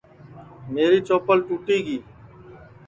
میری چوپل ٹوٹی گی